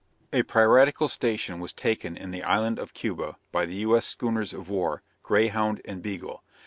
A piratical station was taken in the Island of Cuba by the U.S. schooners of war, Greyhound and Beagle.